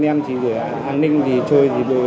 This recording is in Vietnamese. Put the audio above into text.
nhưng điều đáng nói tại cơ sở này